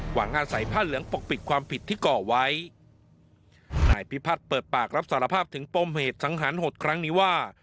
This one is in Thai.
อาศัยผ้าเหลืองปกปิดความผิดที่ก่อไว้นายพิพัฒน์เปิดปากรับสารภาพถึงปมเหตุสังหารหดครั้งนี้ว่า